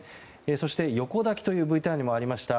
そして、横抱きというＶＴＲにもありました